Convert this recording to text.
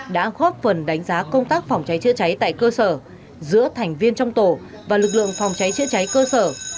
đã góp phần đánh giá công tác phòng cháy chữa cháy tại cơ sở giữa thành viên trong tổ và lực lượng phòng cháy chữa cháy cơ sở